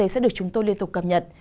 sẽ được chúng tôi liên tục cập nhật